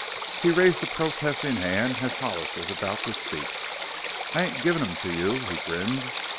He raised a protesting hand as Hollis was about to speak. "I ain't givin' them to you," he grinned.